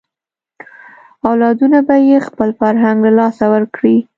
اولادونه به یې خپل فرهنګ له لاسه ورکړي.